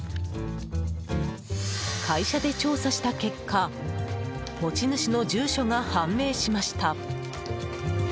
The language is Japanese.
会社で調査した結果持ち主の住所が判明しました。